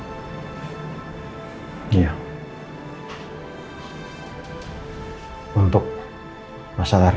tapi kondisi mentalnya harus disajari